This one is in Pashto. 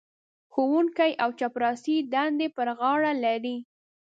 ښوونکی او چپړاسي دندې پر غاړه لري.